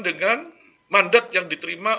dengan mandat yang diterima